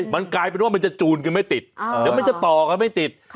มันกลายเป็นว่ามันจะจูนกันไม่ติดเดี๋ยวมันจะต่อกันไม่ติด